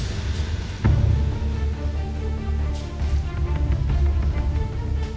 kita ke tempat auto